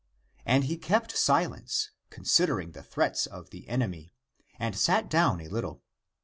And he kept silence, considering the threats of the enemy, and sat down a little.